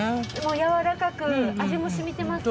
やわらかく味も染みてますか？